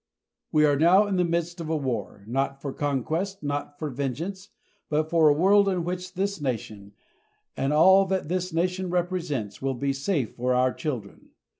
We are now in the midst of a war, not for conquest, not for vengeance, but for a world in which this nation, and all that this nation represents, will be safe for our children.